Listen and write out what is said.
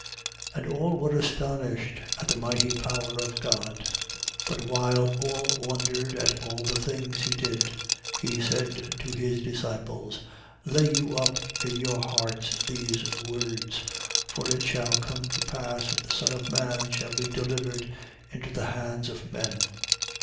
9:44. And all were astonished at the mighty power of God. But while all wondered at all the things he did, he said to his disciples: Lay you up in your hearts these words, for it shall come to pass that the Son of man shall be delivered into the hands of men.